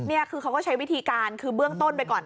นี่คือเขาก็ใช้วิธีการคือเบื้องต้นไปก่อน